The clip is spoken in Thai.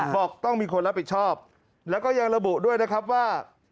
บอกต้องมีคนรับผิดชอบแล้วก็ยังระบุด้วยนะครับว่า